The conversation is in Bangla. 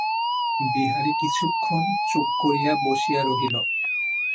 বিহারী কিছুক্ষণ চুপ করিয়া বসিয়া রহিল।